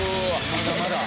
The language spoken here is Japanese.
まだまだ！